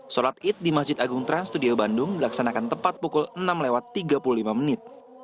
sholat id di masjid agung trans studio bandung dilaksanakan tepat pukul enam lewat tiga puluh lima menit